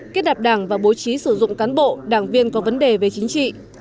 kết nạp đảng và bố trí sử dụng cán bộ đảng viên có vấn đề về chính trị